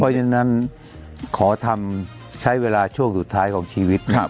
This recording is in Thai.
เพราะฉะนั้นขอทำใช้เวลาช่วงสุดท้ายของชีวิต